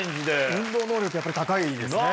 運動能力やっぱり高いですね。